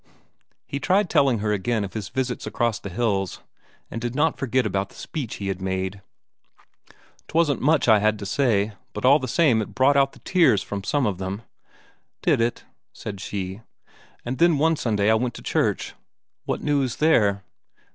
He tried telling her again of his visit across the hills, and did not forget about the speech he had made: "'Twasn't much I had to say, but all the same it brought out the tears from some of them." "Did it?" said she. "And then one Sunday I went to church." "What news there?"